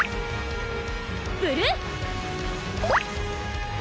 ブルー！